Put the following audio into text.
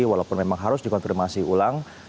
walaupun memang harus dikonfirmasi ulang